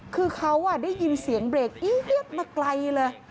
คือเขาได้ยินเสียงเบรกเอี๊ยดมาไกลเลย